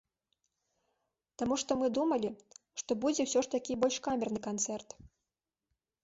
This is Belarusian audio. Таму што мы думалі, што будзе ўсё ж такі больш камерны канцэрт.